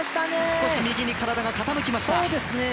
少し右に体が傾きました。